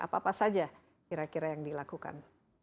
apa apa saja kira kira yang dilakukan